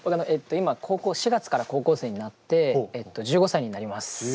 今４月から高校生になって１５歳になります。